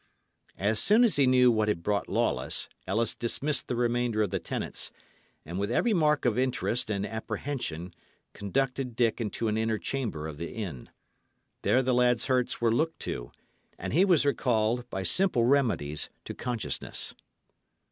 As soon as he knew what had brought Lawless, Ellis dismissed the remainder of the tenants, and, with every mark of interest and apprehension, conducted Dick into an inner chamber of the inn. There the lad's hurts were looked to; and he was recalled, by simple remedies, to consciousness.